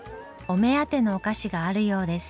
お目当てのお菓子があるようです。